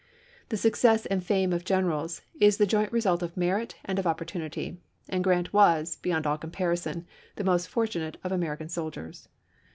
The success and fame of generals is the joint result of merit and of opportunity ; and Grant was, beyond all comparison, the most fortu nate of American soldiers.